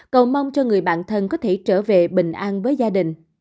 cầu mong cho người bạn thân có thể trở về bình an với gia đình